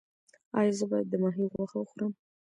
ایا زه باید د ماهي غوښه وخورم؟